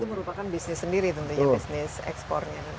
itu merupakan bisnis sendiri tentunya bisnis ekspornya